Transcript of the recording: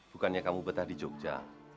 bukannya kamu betah di jogja